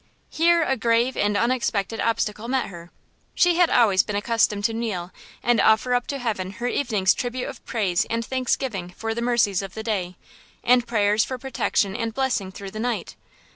Here a grave and unexpected obstacle met her; she had always been accustomed to kneel and offer up to heaven her evening's tribute of praise and thanksgiving for the mercies of the day, and prayers for protection and blessing through the night.